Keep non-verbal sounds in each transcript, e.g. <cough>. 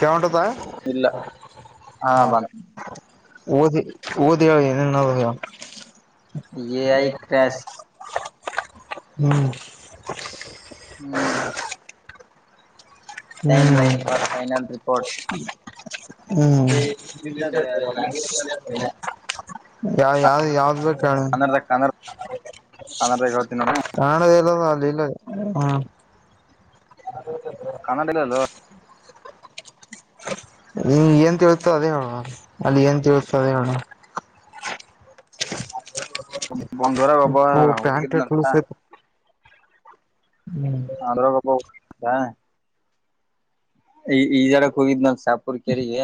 ಕವಂಟುತ್ತಾಯ ಇಲ್ಲ ಹಾ ಬಂದ ಓದ ದಳ ಏನ ಎಐ ಕ್ರ್ಯಾಶ್ ಹ್ಮ್ ಹ್ಮ ಟೈಮ್ ಹ್ಮ್ ಲೈನ್ ಪಾರ್ ಫೈನಲ್ ರಿಪೋರ್ಟ್ ಹ್ಮ್ ಯಾವ ಯಾವ್ದ ಯಾವ್ದ್ ಬೇಕಣ ಕನ್ನಡದಾಗ ಕನ್ನಡ ಕನ್ನಡದಾಗ ಹೇಳ್ತೀನಿ ನೋಡ ಕಾಣದ ಎಲ್ಲ ಸಾಲಲ್ಲ ಹ್ಮ ಅದದ ಕನ್ನಡಲ್ಲಲ್ಲೋ ನೀ ಏನ್ ತಿಳ್ತ ಅದೇ ಹೇಳುವ ಅಲ್ಲಿ ಏನ್ ತಿಳ್ತ ಅದೇ ಹೇಳುವ <inaudible> ಬಂದವರ ಒಾಬಾ ಪ್ಯಾಂಟ್ ಹುಡುಕಿದ್ನಂತ ಲೂಸ್ ಆಯ್ತು ಅದ್ರಬ್ಬ ಈ ಜಡಕ್ ಹೋಗಿದ್ ನಮ ಶಾಪುರ್ ಕೆರೆಗೆ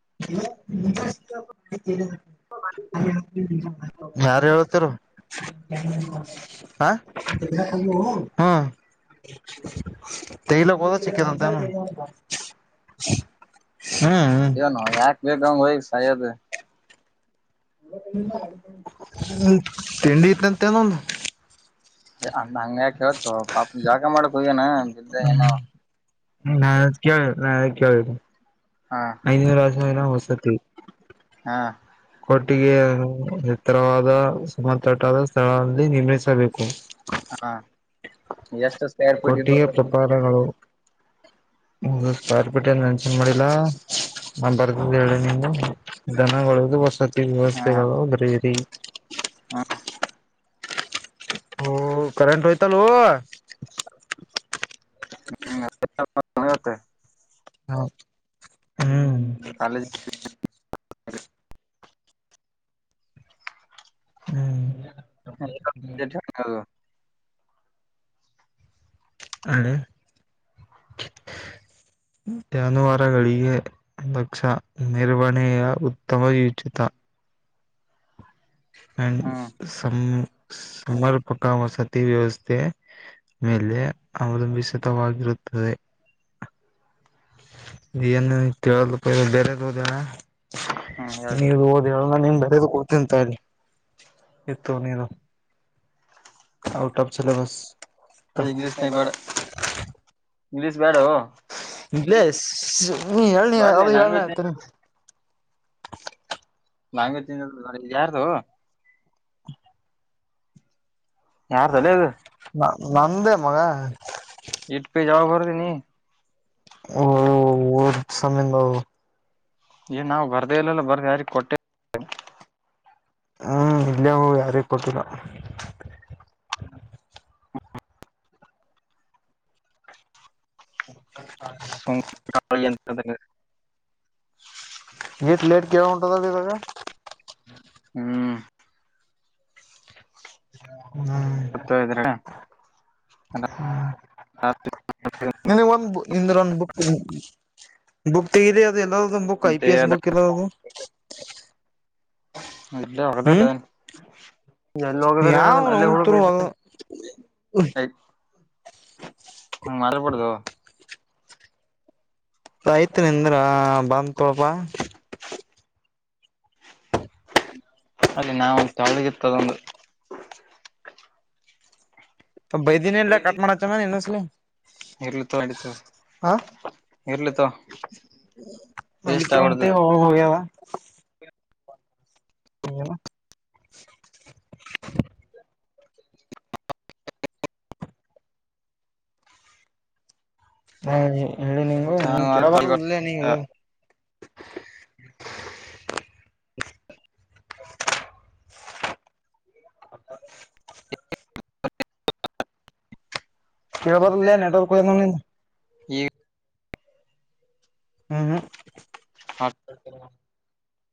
<inaudible> ಯಾರು ಹೇತಾರ ಹ ಹಾ ತ ಇಲದು ಸಿಿಕ್ಕೆ ತಂತನು ಹ್ಮ್ ಬಗಾಮ ಭ ಸಾಯತ <inaudible> ತಿಂಡಿ ಇತ್ಂತೆೇನೊಂದು ಅ ಹಂಗ್ಯಾಕ ಹೇಳ್ತು ಪಾಪ ಜಾಗ ಮಾಡಕ್ ಹ್ಯೇನಾ ಬಿದ್ದೆ ಏನು ನನ ಕವ ನ ಕೇಳವ <inaudible> ಹಾ ಐದನೂರು ವಷಿನ ಹೊಸತಿ ಹಾ ಒಟ್ಟಿಗೆ ಎತ್ತರವಾದತಾಟಾದ ಸ್ಥಳದಲ್ಲಿ ನಿರ್ಮಿಸಬೇಕು ಹಾ ಎಷ್ಟು ಸ್ಕ್ವೇರ್ ಫೀಟ್ ಕೊಟ್ಟಿಯ ಇರ್ಬೋದು ಪ್ರಪಾದಗಳು ಹ ಸ್ಕ್ವರ್ ಫೀಟ್ ಏನ್ ನೆನ್ಷನ್ ಮಾಡಿಲ್ಲಾ ನಾ ಬರ್ದ ಹೇಳ ನಿಿಂದ ದನಗಳುದು ವಸತಿ ಹಾ ವ್ಯವಸ್ಥೆ ರೀ ಹಾ ಕರೆಂಟ್ ಹೋಯ್ತಲ್ಲ ಹ್ಮ್ <unintelligible> ಹೌ ಹ್ಮ್ ಕಾಲೇಜ್ ಹ್ಮ್ ಹ ಹ ಜಾನುವಾರಗಳಿಗೆ ಲಕ್ಷ ನಿರ್ವಹಣೆಯ ಉತ್ತಮ ಉಚಿತ ಹ ಹ್ಮ್ ಸಂ ಸಮರ್ಪಕ ವಸತಿ ವ್ಯವಸ್ಥೆ ಮೇಲೆ ಅವಲಂಬಿಸಿತವಾಗಿರುತ್ತ ಹೇ ಏನು ಕೇಳ ಪ ಬೆರೆದ ಓದಣ ಹ್ಮ್ ನೀನು ಓದ ನೀನ್ ಬರದ ಹೋಗತೀಂತ ಇತ್ತು ನೀನು ಆಔಟ್ ಆಫ್ ಸಿಲೆಬಸ್ ಇ ಇಂಗ್ಲಿಷ್ ಬ್ಯಾಡವೂ ಇಂಗ್ಲೀಷ್ ನೀ ಹೇಳನ ಅದು ಹೇಳನ ಲ್ಯಾಂಗ್ವೇಜ್ ಆಯ್ತ ನೀ ಲಾಂಗ ತಿ ಯಾರದು ಯಾರ್ದು ಅಲೆ ಅದು ನ ನಂದೇ ಮಗ ಎಟ್ ಪೇಜ ಯಾವಾಗ ಬರದು ನೀ ಓ ಸಮಯಂಗ ಏ ನಾವು ಬರ್ದೇ ಇಲ್ಲ ಬರ್ ಯಾರಿಗೆ ಕೊಟ್ಟೆ ಹ್ಮ್ ಇಲ್ಲಯ ಹೋ ಯಾರೇ ಕೊಟ್ಟಿಲ್ಲ ಹ ಸಂತ ಇಷ್ಟು ಲೆಟ್ ಕೆಳವ ಉಟದ ಇದಾಗ ಹ್ಮ್ ಹ್ಮ್ ಹ್ಮ ಗೊತ್ತ ಇದ್ರ ನೀ ಒಂದ ನಿ ಒಂದ್ ಬುಕ್ ಬುಕ್ ತೆಗ ಎಲ್ಲ ಬುಕ್ ಐ ಪಿ ಎಸ್ ದೇಹದ ಬುಕ್ ಎಲ್ಲದು ಅಲ್ಲೇ ಹೋಗದಾರ ಹ್ಮ್ ಎಲ್ಲಿ ಹೋಗದಾರಏನ ಯಾವ ಅದ ಅಲ್ಲೇ ನವುಂತರು ಹುಡುಗಐತ ಹ ಮಾರ ಪಡದು ರೈತರಿಂದ್ರ ಬಂದ್ಕಪ ಅಲ್ಲಿ ನಾವಂತಳ್ದಗಿತ್ತು ಅದೊಂದು ಬೈದೀನಿ ಎಲ್ಲ ಕಟ್ ಮಾಡತ್ತನ ನಿನ್ನೊಸಲಿ ಇರ್ಳ ತ ಆತ ಇರ್ಲಿ ತೋ ಅಲ್ಲಿ ತ ಒಂತ ಹ ಹೋಗಯಾ ಹ್ಮ <inaudible> ಹ ಇಲ್ಲಿ ನೀ ಜಾನುವಾರು ಕೆರ ಇಲ್ಲ ನೀವು ತಳಿಗಳು ಹ ಕೇಳಬಾರದಲ್ಲೇ ನಿನ್ನೆ ನೆಟ್ವರ್ಕ್ ಹೋಗಿದೆ ನಿನ್ ಈ ಹ್ಮ್ ಹ್ಮ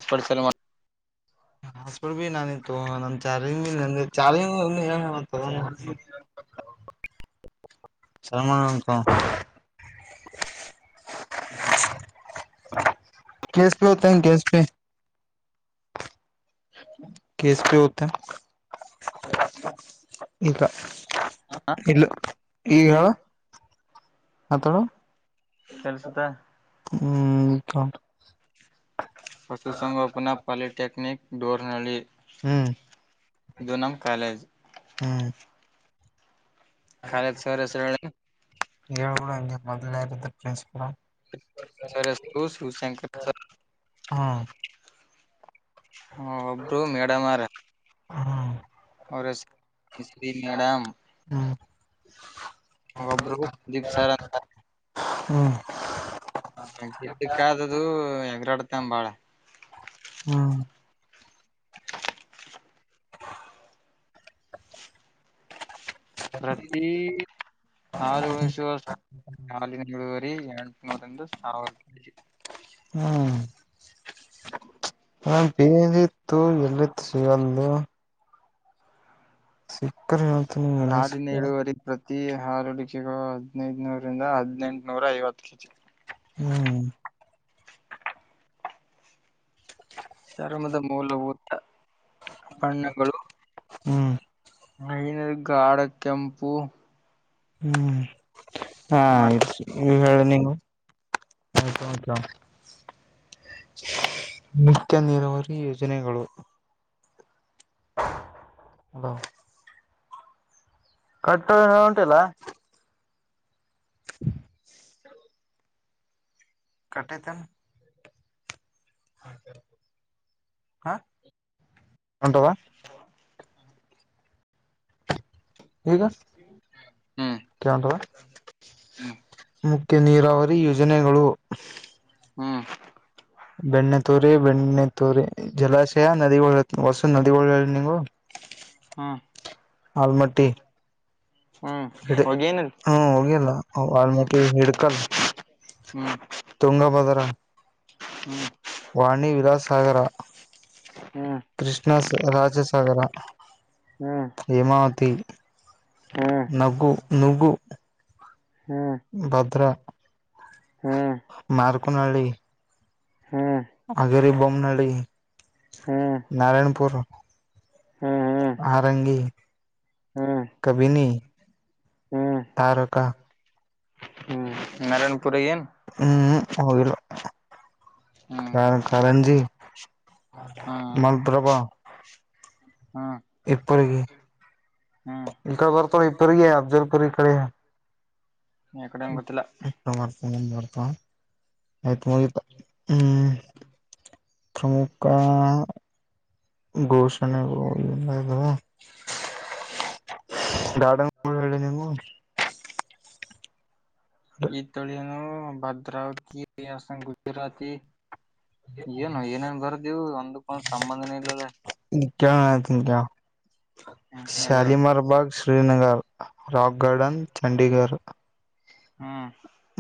ಎಪ್ಪಡ್ ಸಲ ಮಾಡ ಹಸ್ಬರ್ ಭ ನಾನಿತ್ತು ನಮ ಚಾರ್ <unintelligible> ಚಾಲಿ <unintelligible> ಸರ್ಮ <unintelligible> ಕ್ಯಾಶ್ ಪೆ ಹತ ಕ್ಯಾಶ್ ಪೆ ಕ್ಯಾಶ್ ಪೇ ಹೋಗ್ತಾ ಈಗ ಈಗ ಹೇಳು ಮಾತಾಡು ಕೆಲ್ಸದಾ ಹ್ಮ್ ಕೊಂಡ ಪಶುಸಂಗೋಪನಾ ಪಾಲಿಟೆಕ್ನಿಕ್ ಡೋರ್ನಳಿ ಹ್ಮ್ ಇದು ನಮ್ ಕಾಲೇಜ್ ಹ್ಮ್ ಕಾಲೇ ಸಹರಸರ ಕೂಡ ಹಂಗೆ ಮೊದಲ ಪ್ರಿನ್ಸಿಪ ಸರ್ ಹೆಸರು ಶಿವಶಂಕರ್ ಸರ್ ಹಾ ಹಾ ಒಬ್ರು ಮೇಡಮ್ಾರ ಹ್ಮ್ ಒ ಶೀ ಮೇಡಮ ಒೊಬ್ರು ಸಂದೀಪ್ ಸರ್ ಅಂತ ಹ್ಮ್ ಹ ಗಿದ್ದಕ್ಕಾದದು ಹೆಗರಾಡ್ತ ಬಾಳ ಹ್ಮ್ ಪ್ರತಿ ಹ ಜೊಳ ವರ್ಷ ನಾಾಲ ಮೂಳುವರಿ ಎಂಟುನೂರಂದು ಸಾವಿರಪಾಯ ಹ್ಮ್ ಹ ಬೇದ ಇತ್ತು ಎಲ್ಲಿತ್ತು ಸಿಗಂದು ಸಿಕ್ಕರ್ತ ಹಾಲಿನ ಸಿಕ್ಕ ಇಳುವರಿ ಪ್ರತಿ ಹಾರಡಿಕೆಗಳು ಹದ್ನೈದನೂರಂದ ಹದ್ಿನೆಂಟನೂರ ಐವತ್ತು ಕೆಜಿ ಹ್ಮ್ ಚರ್ಮದ ಮೂಲಭೂತ ಬಣ್ಣಗಳು ಹ್ಮ್ ಮಹನರು ಗಾಢ ಕೆಂಪು ಹ್ಮ್ ಹಾ ಆ್ ಆತ್ ಹೇಳ ನೀವು ವಕಲ ಮುತ್ಯ ನೀರಾವರಿ ಯೋಜನೆಗಳು ಅಲ ಕಟ್ಟ ಉಂಟಿಲ್ಲ <inaudible> ಕಟ್ಟಿತನ ಹ ಉಂಟವಾ ಹ ಗ ಹ್ಮ್ ಕವಾ ಮುಖ್ಯ ನೀರಾವರಿ ಯೋಜನೆಗಳು <inaudible> ಹ್ಮ್ ಬೆಣ್ಣೆ ತೂರಿ ಬೆಣ್ಣೆ ತೂರಿ ಜಲಾಶಯ ನದಿಗಳ ಹೊಸ ನದಿಗಳಿ ನೀವು ಹ್ಮ ಆಲ್ಮಟ್ಟಿ ಹ್ಮ್ ಹ್ಮ್ ಹಿ ಹೋಗೇನಲ್ ಹ್ಮ ಹೋಗಿಲ್ಲ ಹ್ಮ್ ವಾಲ್ಮಟ್ಟಿ ಹಿಡ್ಕಲ್ಲ ಹ್ಮ್ ತುಂಗಭದ್ರ ಹ್ಮ್ ವಾಣಿ ವಿಲಾಾಸಾಗರ ಹ್ಮ್ ಕೃಷ್ಣ ರಾಜಜಸಾಗರ ಹ್ಮ್ ಹ್ಮ್ ಹೇಮಾವತಿ ಹ್ಮ್ ನಗು ನಗು ಹ್ಮ್ ಹ್ಮ್ ಭದ್ರ ಹ್ಮ್ ಮಾರ್ಕನಳ್ಳಿ ಹ್ಮ್ ಅಗರಿ ಬೊಮನಾಡಿ ಹ್ಮ್ ನಾರಾಯಣಪು ಆರಂಗಿ ಹ್ಮ್ ಕಬಿನಿ ತಾರಕ ಹ್ಮ್ ನಾರಾಯಣಪುರ ಏನ್ ಹ್ಮ್ ಕಾರ್ ಕಾರಂಜಿ ಹ್ಮ್ ಮಲ್ಪ್ರಭ ಹ್ಮ್ ಇಪ್ಪರ್ಗಿ ಹ್ಮ್ ಇಂಕ ಬರ್ತಾವ್ ಇಪ್ಪರ್ಗಿ ಅಫಜಲ್ಪುರಿ ಪುರಿ ನೀ ಈ ಕಡೇನು ಗೊತ್ತಿಲ್ಲ. ಬರ್ತ ಅಯ್ತ್ ಮುಗಿತು ಹ್ಮ್ ಪ್ರಮುಖ ಘೋಷಣೆಗಳು ಹ ಗಾರ್ಡನ್ <unintelligible> ನೀವು ಈತಳಿಯನು ಭದ್ರಾ <unintelligible> ಗುಜರಾತಿ ಏನು ಏನೇನ್ ಬರ್ದಿವು ಒಂದಕ್ ಒಂದ್ ಸಂಬಂಧನೆ ಇಲ್ಲಲೆ. ಕೆರನ ತಿಂತ್ಯೋ ಶಾಲಿಮಾರ್ ಬಾಗ್ ಷ್ ಶ್ರೀನಗರ್ ರಾಕ್ ಗಾರ್ಡನ್ ಚಂಡೀಗರ್ ಹ್ಮ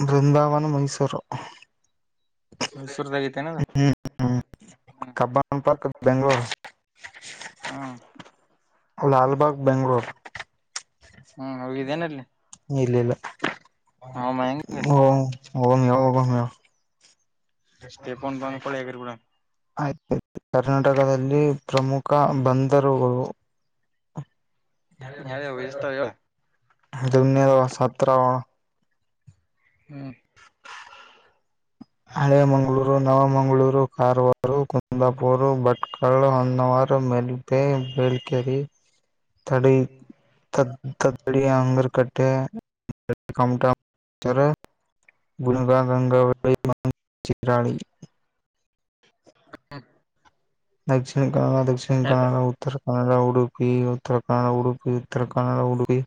ಬೃಂದಾವನ್ ಮೈಸೂರು. ಮೈಸೂರ್ದಾಗೈತೆೇನದ ಹ್ಮ ಹ್ಮ ಹ್ಮ್ ಕಬ್ಬನ್ ಪಾರ್ಕ್ ಬೆಂಗ್ಳೋರ್ ಹ್ಮ್ ಲಲ್ಬಾಗ್ ಬೆಂಗ್ಳೋರ್. ಹ್ಮ್ ಹೋಗಿದ್ದೇನಲ್ಲಿ ಇಲ್ ಇಲ್ಲ. ಹ ಹೆಂಗ ಹ್ಮ್ ಹೋಗಮ್ ಯಾವಾಗ್ ಹೋಗಮ್ ಹೇಳ್ ಸ್ಟೇಫೋನ್ ಬಂದ್ಕೊಳ್ಳಿ ಹೇಗಿರ್ ಬಿಡ ಆಯ್ ಕರ್ನಾಟಕದಲ್ಲಿ ಪ್ರಮುಖ ಬಂದರುಗಳು ಯಾವ ಎಷ್ಟ ಅದುನ್ನೆಳ್ವ ಸತ್ರವ <inaudible> ಹಳೆ ಮಂಗ್ಳೂರು ನವ ಮಂಗ್ಳೂರು ಕಾರವಾರು, ಕುಂದಾಪುರು, ಭಟ್ಕಳ, ಹೊನ್ನವಾರ, ಮೆಲ್ಪೆ, ಬಳ್ಕೆರಿ ತಡಿ ತ ತಡಿ ಅಂಗರ್ ಕಟ್ಟೆ. ಕ <unintelligible> ಗುಣಗದ <unintelligible> ಚಿತ್ರಹಳಿ ಹ್ಮ ದಕ್ಷಿಣ ಕನ್ನಡ ದಕ್ಷಿಣ ಕನ್ನಡ ಉತ್ತರ್ ಕನ್ನಡ ಉಡುಪಿ ಉತ್ತರ ಕನ್ನಡ ಉಡುಪಿ ಉತ್ತರ ಕನ್ನಡ ಉಡುಪಿ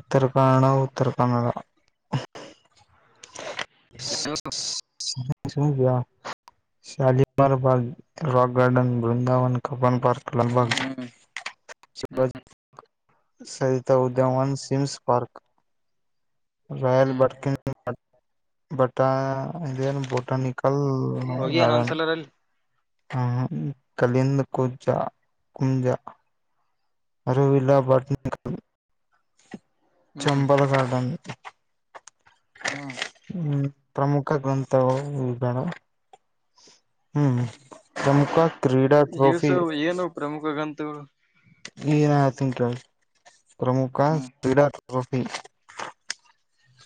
ಉತ್ತರ ಕನ್ನಡ ಉತ್ತರ ಕನ್ನಡ ಹ್ಮ್ ಸುಮ್ ದ್ಯ ಸಾಲಿ ಬ rock garden Brindavan Cubbon park Lalbagh ಹ್ಮ್ ಸ್ ಬಾಗ್ ಸಹಿತ್ ಉದ್ಯಾವನ್ ಸಿಮ್ಸ್ ಪಾರ್ಕ್ ರಾಯಲ್ ಹ್ಮ್ ಬರ್ಕನ್ ಹಟ್ ಬಟಾ ಇದೇನ್ ಬೊಟಾನಿಕಲ್ ಹೋಗಿಯನ ಗಾರ್ಡನ್. ಒಂದ್ಸಲರಲ್ಲಿ ಹ ಕಲಿಂದ್ ಕುಚ ಕುಂಜ ಅರಿವಿಲ್ಲಾ ಬ <unintelligible> ಹ್ಮ್ ಚಂಬಲ ಗಾರ್ಡನ್ ಹ್ಮ ಹ್ಮ ಪ್ರಮುಖ ಗ್ರಂಥವು ಈಗಳು ಹ್ಮ್ ಪ್ರಮುಖ ಕ್ರೀಡಾ ಟ್ರೋಫಿ. ಇಸವು ಏನು ಪ್ರಮುಖ ಗ್ರಂಥಗಳು ಕ್ಲಿನಾಗ್ ಹೇಳ್ತಿನ್ ಕೇಳ್ ಪ್ರಮುಖ ಹ್ಮ್ ಕ್ರೀಡಾ ಟ್ರೋಫಿ.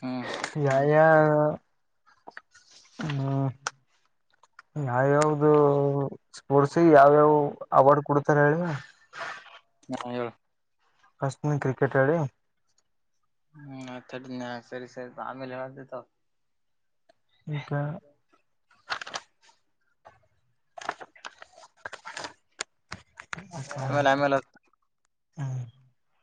ಹ್ಮ ಯಯಾವ್ ಹ್ಮ ಯಾವ್ಯಾವ್ದು ಸ್ಪೋರ್ಟ್ಸ್ ಗ್ ಯಾವ್ಯಾವ್ ಅವಾರ್ಡ್ ಕೊಡ್ತಾರ್ ಹೇಳಿ. ಹಾ ಹೇಳ ಅಷ್ಟಮ ಕ್ರಿಕೆಟ್ ಆಡಿ ಹ್ಮ್ ಸರಿ ಸರಿ ಆಮೇಲೆ ಹೇಳತತ ಇಕ ಆಮೇಲೆ ಆಮೇಲೆ ಅ ಹ್ಮ